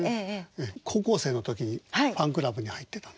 高校生の時にファンクラブに入ってたんですよね。